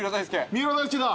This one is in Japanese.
三浦大輔だ